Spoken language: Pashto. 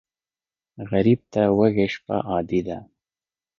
غریب ته وږې شپه عادي ده